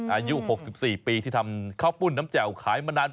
อายุ๖๔ปีที่ทำข้าวปุ้นน้ำแจ่วขายมานาน